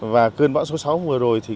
và cơn bão số sáu mùa rồi